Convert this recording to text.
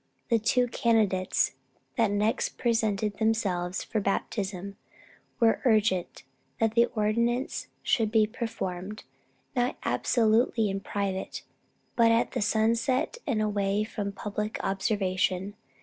The two candidates that next presented themselves for baptism, were urgent that the ordinance should be performed, not absolutely in private, but at sunset and away from public observation.